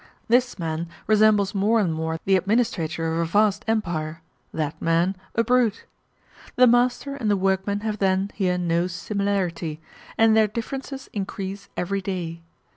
This man resembles more and more the administrator of a vast empire that man, a brute. The master and the workman have then here no similarity, and their differences increase every day.